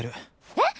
えっ？